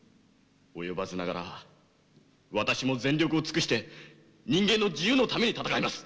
及ばずながら私も全力を尽くして人間の自由のために戦います！